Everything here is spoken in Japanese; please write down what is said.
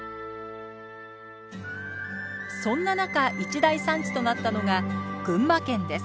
そんな中一大産地となったのが群馬県です。